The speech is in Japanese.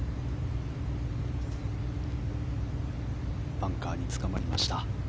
バンカーにつかまりました。